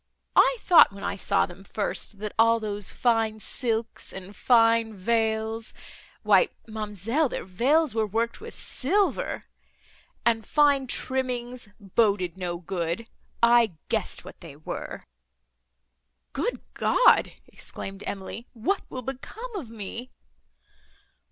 I thought, when I saw them first, that all those fine silks and fine veils,—why, ma'amselle, their veils were worked with silver! and fine trimmings—boded no good—I guessed what they were!" "Good God!" exclaimed Emily, "what will become of me!"